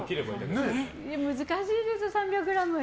難しいです、３００ｇ。